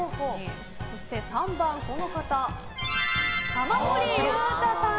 そして３番、玉森裕太さん。